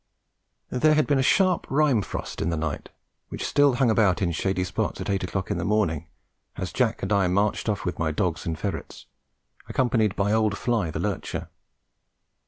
There had been a sharp rime frost in the night, which still hung about in shady spots at eight o'clock in the morning, as Jack and I marched off with my dogs and ferrets, accompanied by old Fly, the lurcher.